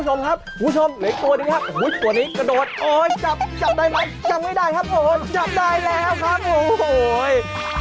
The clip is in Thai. จับด้วยครับจับด้วยจับด้วย